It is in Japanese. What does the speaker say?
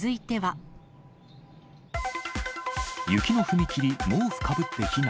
雪の踏切、毛布かぶって避難。